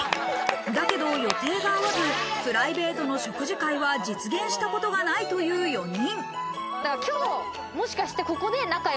だけど予定が合わずプライベートの食事会は実現したことがないという４人。